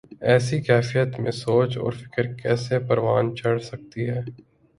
ایسی کیفیت میں سوچ اور فکر کیسے پروان چڑھ سکتی ہے۔